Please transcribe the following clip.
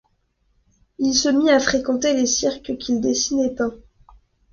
Il se met à fréquenter les cirques qu'il dessine et peint.